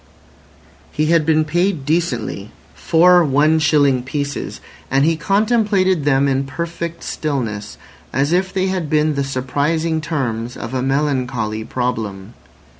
He had been paid decently—four one shilling pieces—and he contemplated them in perfect stillness, as if they had been the surprising terms of a melancholy problem.